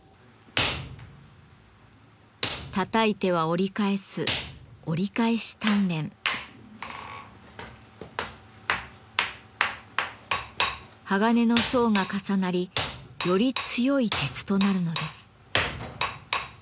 たたいては折り返す鋼の層が重なりより強い鉄となるのです。